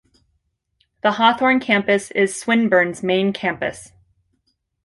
The Hawthorn campus is Swinburne's main campus.